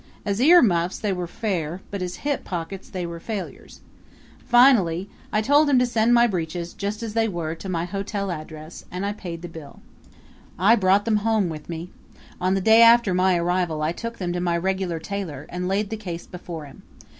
As ear muffs they were fair but as hip pockets they were failures. Finally I told him to send my breeches, just as they were, to my hotel address and I paid the bill. I brought them home with me. On the day after my arrival I took them to my regular tailor and laid the case before him.